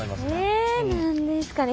え何ですかね。